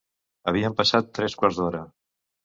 Havien passat tres quarts d'hora...